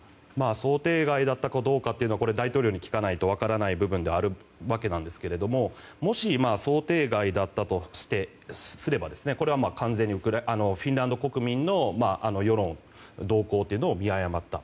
想定外だったかどうかは大統領に聞かないと分からない部分ではあるわけなんですがもし、想定外だったとすればこれは完全にフィンランド国民の世論、動向というのを見誤った。